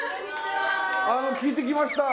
あの聞いてきました